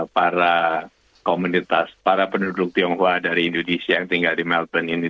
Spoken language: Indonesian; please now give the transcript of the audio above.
para komunitas para penduduk tionghoa dari indonesia yang tinggal di melbourne ini